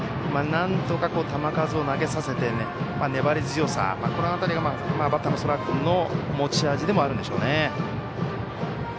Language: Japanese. なんとか球数を投げさせて粘り強さ、この辺りがバッターの空君の持ち味でもあるんでしょうね。